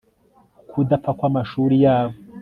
ukudapfa kw'amashuri yabo